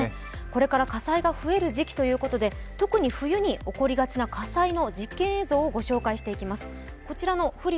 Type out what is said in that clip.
これから火災が増える時期ということで特に冬に起こりがちな火災の実験映像をご紹介していきます。